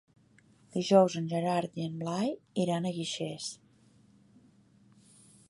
Dijous en Gerard i en Blai iran a Guixers.